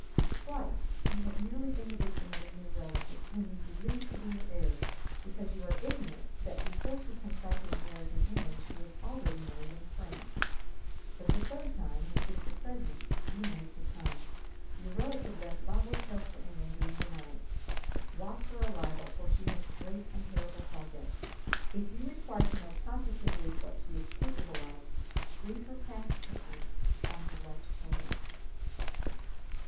Twice you have nearly been the victim of a near relative, whom you believe to be your heir because you are ignorant that before she contracted a marriage in England she was already married in France. But the third time, which is the present, you may succumb. Your relative left La Rochelle for England during the night. Watch her arrival, for she has great and terrible projects. If you require to know positively what she is capable of, read her past history on her left shoulder."